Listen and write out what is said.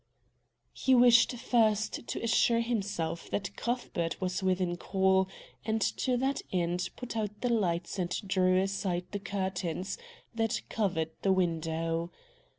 He wished first to assure himself that Cuthbert was within call, and to that end put out the lights and drew aside the curtains that covered the window.